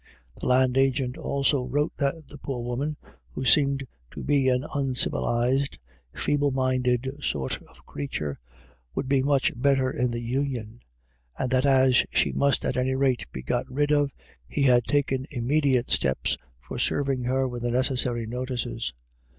The land agent also wrote that the poor woman, who seemed to be an uncivilised, feeble minded sort of creature, would be much better in the Union, and that as she must at any rate be got rid of, he had taken immediate steps for serving her with the necessary notices.